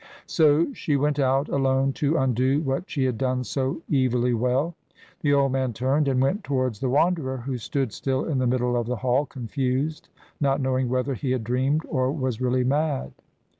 So she went out, alone, to undo what she had done so evilly well. The old man turned and went towards the Wanderer, who stood still in the middle of the hall, confused, not knowing whether he had dreamed or was really mad.